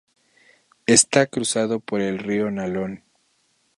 Está cruzado por el río Nalón.